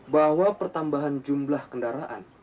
bahwa pertambahan jumlah kendaraan